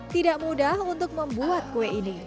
tidak mudah untuk membuat kue ini